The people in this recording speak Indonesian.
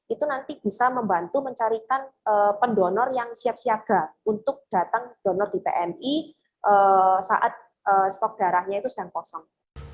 itu nanti bisa membantu mencarikan pendonor yang siap siaga untuk datang donor di pmi saat stok darahnya itu sedang kosong